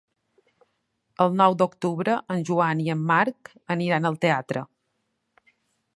El nou d'octubre en Joan i en Marc aniran al teatre.